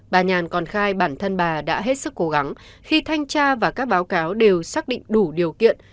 bà nhàn còn khai bản thân bà đã hết sức cố gắng khi thanh tra và các báo cáo đều xác định đủ điều kiện